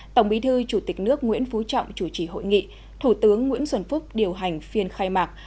tổng bí thư chủ tịch nước nguyễn phú trọng chủ trì hội nghị thủ tướng nguyễn xuân phúc điều hành phiên khai mạc